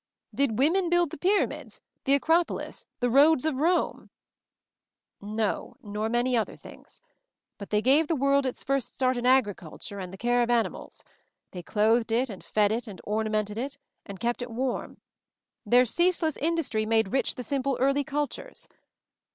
"Did women build the Pyramids? the Acropolis? the Roads of Rome?" "No, nor many other things. But they gave the world its first start in agriculture and the care of animals ; they clothed it and fed it and ornamented it and kept it warm; * 1 3 190 MOVING THE MOUNTAIN their ceaseless industry made rich the simple early cultures.